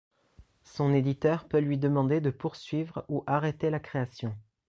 Son éditeur peut lui demander de poursuivre ou arrêter la création.